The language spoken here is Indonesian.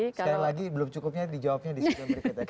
sekali lagi belum cukupnya dijawabnya di segmen berikutnya